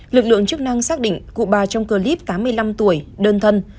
lực lượng chức năng xác định cụ bà trong clip tám mươi năm tuổi đơn thân